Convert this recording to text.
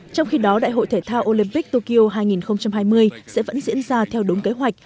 trong khi đó đại hội thể thao olympic tokyo hai nghìn hai mươi sẽ vẫn diễn ra theo đúng kế hoạch